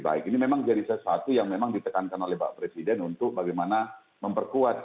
baik ini memang jadi sesuatu yang memang ditekankan oleh pak presiden untuk bagaimana memperkuat